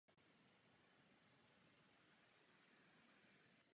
Jak se opakují písmena klíčového slova tak se zapisují následující znaky v abecedním pořadí.